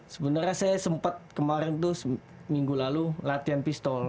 sebenarnya saya sempat kemarin tuh minggu lalu latihan pistol